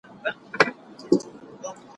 تا چي ول ډوډۍ به پخه وي